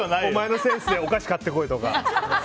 お前のセンスでお菓子、買ってこいとか。